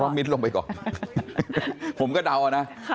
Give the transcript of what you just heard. เพราะมิ้นลงไปก่อนผมก็เดานะ